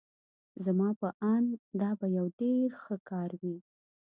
زما په آند دا به یو ډېر ښه کار وي.